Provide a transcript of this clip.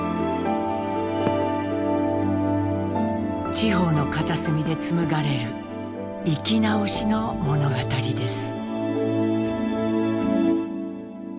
地方の片隅で紡がれる生きなおしの物語です。